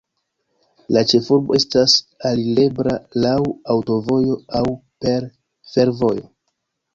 La ĉefurbo estas alirebla laŭ aŭtovojo aŭ per fervojo.